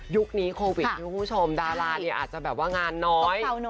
นี้โควิดคุณผู้ชมดาราเนี่ยอาจจะแบบว่างานน้อย